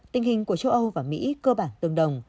tình hình của châu âu và mỹ cơ bản tương đồng